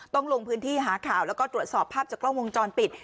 ต้องลงพื้นที่หาข่าวแล้วก็ตรวจสอบภาพจากกล้องวงจรปิด